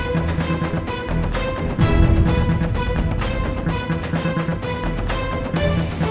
sesuai aku masih sangka dia gak ngomongannya